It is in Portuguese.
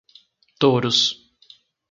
Touros